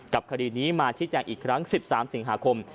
คดีนี้มาชี้แจงอีกครั้ง๑๓สิงหาคม